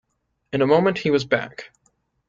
In a moment he was back.